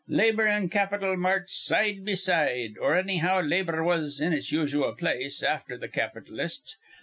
Labor an' capital marched side be side, or annyhow labor was in its usual place, afther th' capitalists.